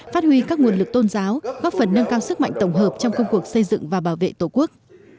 phát huy các nguồn lực tôn giáo góp phần nâng cao sức mạnh tổng hợp trong công cuộc xây dựng và bảo vệ tổ quốc